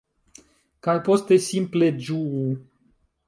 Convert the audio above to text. Kaj poste simple ĝuu!